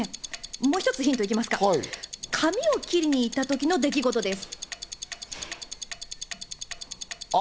もう一つヒント行きます、髪を切りに行ったときの出来事です。